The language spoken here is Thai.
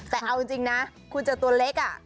แต่เอาจริงนะคุณเจอตัวเล็ก